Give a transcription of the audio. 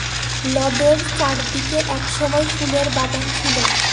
লদের চারদিকে একসময় ফুলের বাগান ছিল।